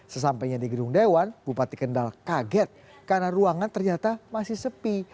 sesampainya di gedung dewan bupati kendal kaget karena ruangan ternyata masih sepi